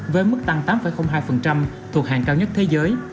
với mức tăng tám hai thuộc hàng cao nhất thế giới